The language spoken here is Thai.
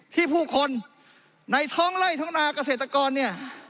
ผู้คนในท้องไล่ท้องนาเกษตรกรเนี่ย